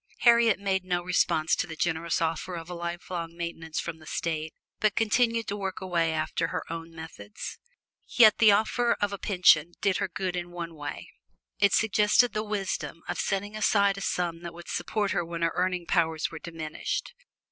Harriet made no response to the generous offer of a lifelong maintenance from the State, but continued to work away after her own methods. Yet the offer of a pension did her good in one way: it suggested the wisdom of setting aside a sum that would support her when her earning powers were diminished.